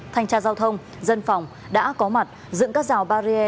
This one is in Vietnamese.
thanh tra giao thông dân phòng đã có mặt dựng các rào barrier